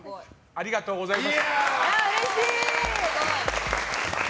ありがとうございます。